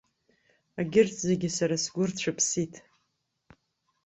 Егьырҭ зегьы сара сгәы рцәыԥсит.